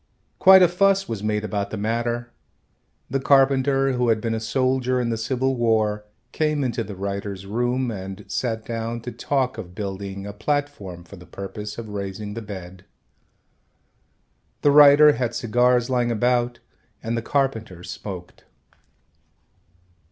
Quite a fuss was made about the matter. The carpenter, who had been a soldier in the Civil War, came into the writer's room and sat down to talk of building a platform for the purpose of raising the bed. The writer had cigars lying about and the carpenter smoked.